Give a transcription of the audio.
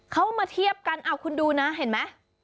เขามาเทียบกันคุณดูนะเห็นไหม